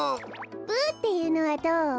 ブっていうのはどう？